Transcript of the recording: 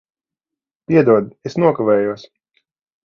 Piedod, es nokavējos.